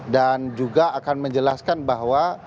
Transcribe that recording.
dan juga akan menjelaskan bahwa